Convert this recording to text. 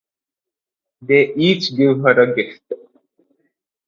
They each give her a gift.